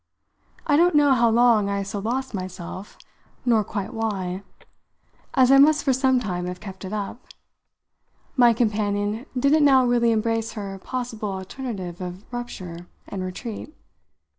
I don't know how long I so lost myself, nor quite why as I must for some time have kept it up my companion didn't now really embrace her possible alternative of rupture and retreat.